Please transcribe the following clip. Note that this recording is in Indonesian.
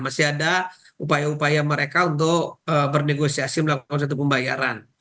masih ada upaya upaya mereka untuk bernegosiasi melakukan satu pembayaran